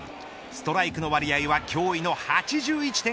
ストライクの割合は驚異の８１．８％